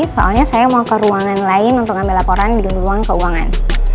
soalnya saya mau ke ruangan lain untuk ambil laporan dengan ruang keuangan